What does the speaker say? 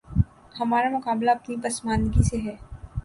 ہمارا مقابلہ اپنی پسماندگی سے ہے۔